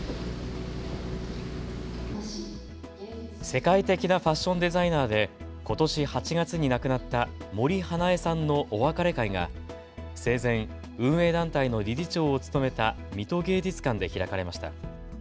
世界的なファッションデザイナーで、ことし８月に亡くなった森英恵さんのお別れ会が生前、運営団体の理事長を務めた水戸芸術館で開かれました。